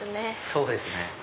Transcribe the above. そうですね。